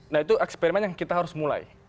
nah itu eksperimen yang kita harus mulai